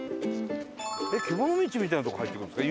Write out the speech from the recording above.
獣道みたいなとこ入っていくんですか？